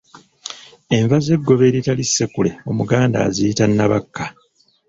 Enva z’eggobe eritali ssekule Omuganda aziyita Nabakka.